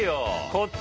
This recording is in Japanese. こっち